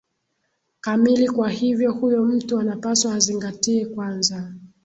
kamili kwa hivyo huyo mtu anapaswa azingatie kwanza